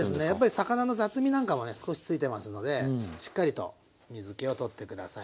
魚の雑味なんかもね少しついてますのでしっかりと水けを取って下さい。